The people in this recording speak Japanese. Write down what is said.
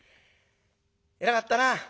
偉かったな。